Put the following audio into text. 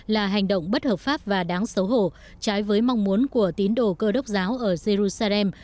là hành động bất hợp pháp và đáng xấu hổ trái với mong muốn của tín đồ cơ đốc giáo ở jerusalem